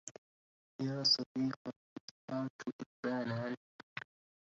يا صديقا شعرت إذ بان عني